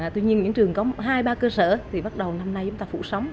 tuy nhiên những trường có hai ba cơ sở thì bắt đầu năm nay chúng ta phụ sống